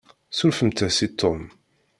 Ssurfemt-as i Tom.